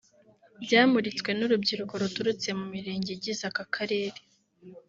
byamuritswe n’urubyiruko ruturutse mu mirenge igize aka karere